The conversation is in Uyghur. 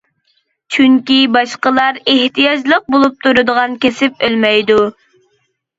چۈنكى باشقىلار ئېھتىياجلىق بولۇپ تۇرىدىغان كەسىپ ئۆلمەيدۇ.